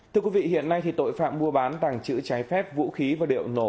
thưa quý vị hiện nay thì tội phạm mua bán tàng trữ trái phép vũ khí và điệu nổ